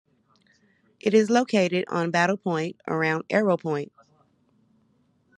It is located on Battle Point, around Arrow Point.